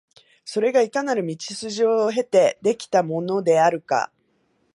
それがいかなる道筋を経て出来てきたものであるか、